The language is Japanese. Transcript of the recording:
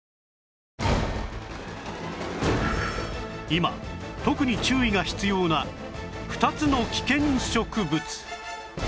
今特に注意が必要な２つの危険植物